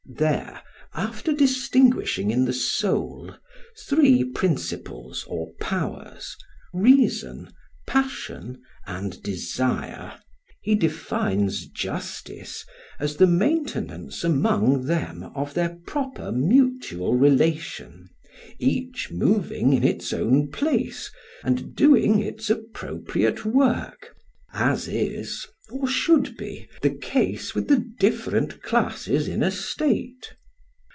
There, after distinguishing in the soul three principles or powers, reason, passion, and desire, he defines justice as the maintenance among them of their proper mutual relation, each moving in its own place and doing its appropriate work as is, or should be, the case with the different classes in a state.